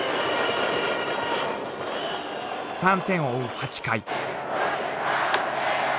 ［３点を追う８回］